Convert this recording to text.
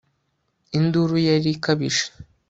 induru ye yari ikabije